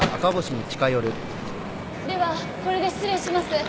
ではこれで失礼します。